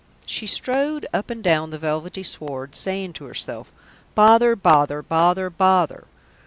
She strode up and down the velvety sward, saying to herself, "Bother! Bother! Bother! Bother!"